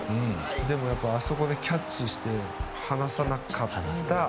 でも、あそこでキャッチして離さなかった。